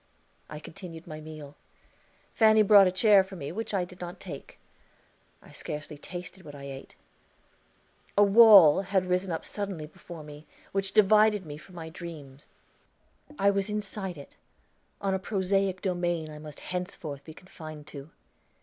I continued my meal. Fanny brought a chair for me, which I did not take. I scarcely tasted what I ate. A wall had risen up suddenly before me, which divided me from my dreams; I was inside it, on a prosaic domain I must henceforth be confined to.